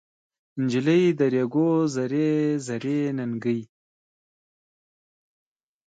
نجلۍ د ریګو زر زري ننکۍ